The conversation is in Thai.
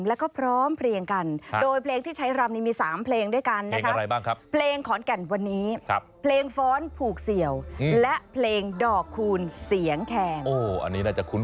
และก็พร้อมเพลงกัน